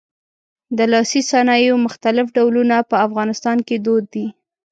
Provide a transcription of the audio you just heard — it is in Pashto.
د لاسي صنایعو مختلف ډولونه په افغانستان کې دود دي.